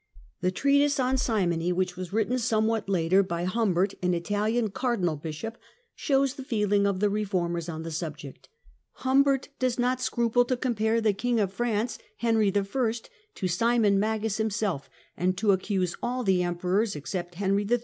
The treatise on simony, which was written somewhat later by Humbert, an Italian cardinal bisliop, shows the feeling of the reformers on the subject. Humbert does not scruple to compare the king of France, Henry I., to Simon Magus himself, and to accuse all the Emperors, except Henry III.